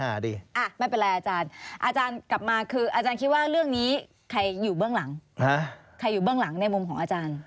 อาจารย์จะคุยกับคุณฟ้าไหมคะ